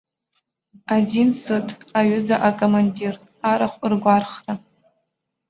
Азин сыҭ, аҩыза акомандир, арахә ргәархра!